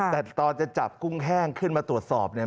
แต่ตอนจะจับกุ้งแห้งขึ้นมาตรวจสอบเนี่ย